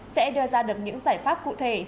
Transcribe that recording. sẽ đưa ra được những giải pháp cụ thể